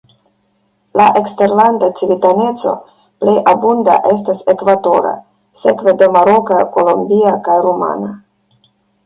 La eksterlanda civitaneco plej abunda estas ekvatora, sekve de maroka, kolombia kaj rumana.